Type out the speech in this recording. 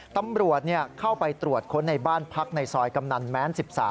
ตำรวจเข้าไปตรวจค้นในบ้านพักในซอยกำนันแม้น๑๓